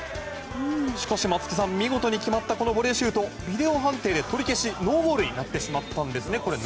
しかし松木さん、見事に決まったこのボレーシュートビデオ判定で取り消しノーゴールになってしまったんです。